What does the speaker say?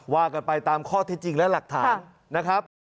ว่ากันไปตามข้อที่จริงและหลักฐานนะครับ